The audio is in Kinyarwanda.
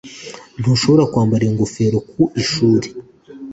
Ntushobora kwambara iyo ngofero ku ishuri